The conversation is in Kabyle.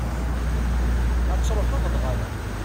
Ad d-truḥeḍ, neɣ ala?